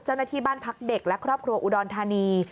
เจ้าหน้าที่บ้านพักเด็กและครอบครัวอุดรธานี